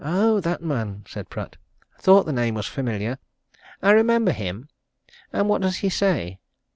"Oh, that man!" said Pratt. "Thought the name was familiar. I remember him. And what does he say?"